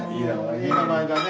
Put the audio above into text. いい名前だね。